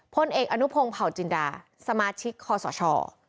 พลเอกอนุพงศ์เผาจินดาสมาชิกคอสช